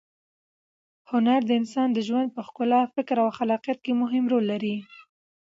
هنر د انسان د ژوند په ښکلا، فکر او خلاقیت کې مهم رول لري.